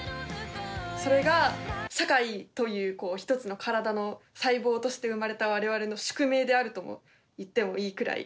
それが社会という一つの体の細胞として生まれた我々の宿命であるとも言ってもいいくらい。